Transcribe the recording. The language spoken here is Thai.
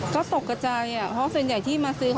ก็ตกกระจายเพราะส่วนใหญ่ที่มาซื้อ